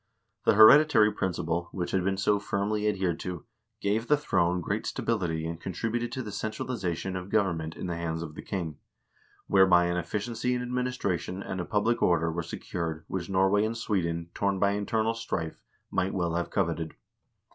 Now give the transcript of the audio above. The hereditary principle, which had been so firmly adhered to, gave the throne great stability and contributed to the centralization of government in the hands of the king, whereby an efficiency in administration and a public order were secured which Denmark and Sweden, torn by internal strife, might well have coveted.